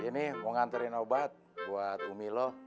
iya ini mau nganterin obat buat umi lo